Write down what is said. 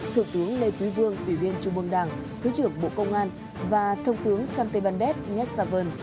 thượng tướng lê quý vương ủy viên trung bương đảng thứ trưởng bộ công an và thông tướng santé văn đét nghét sa vân